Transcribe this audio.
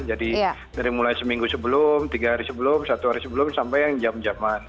jadi dari mulai seminggu sebelum tiga hari sebelum satu hari sebelum sampai yang jam jaman